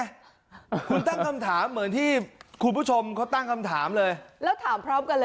คุณตั้งคำถามเหมือนที่คุณผู้ชมเขาตั้งคำถามเลยแล้วถามพร้อมกันเลย